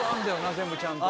全部ちゃんと。